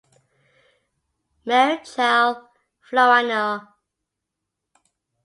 Marechal Floriano.